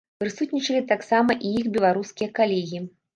Прысутнічалі таксама і іх беларускія калегі.